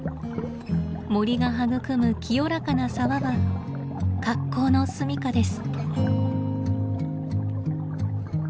森が育む清らかな沢は格好のすみかです。